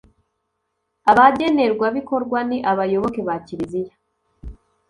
Abagenerwabikorwa ni abayoboke ba Kiliziya